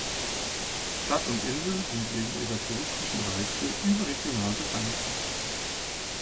Stadt und Insel sind wegen ihrer touristischen Reize überregional bekannt.